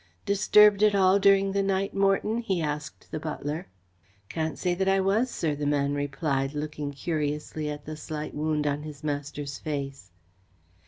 "Disturbed at all during the night, Morton?" he asked the butler. "Can't say that I was, sir," the man replied, looking curiously at the slight wound on his master's face.